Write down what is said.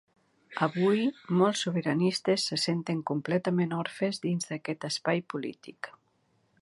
Avui, molts sobiranistes se senten completament orfes dins d’aquest espai polític.